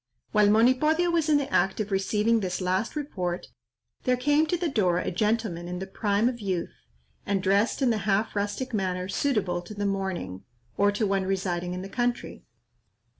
While Monipodio was in the act of receiving this last report, there came to the door a gentleman in the prime of youth, and dressed in the half rustic manner suitable to the morning, or to one residing in the country.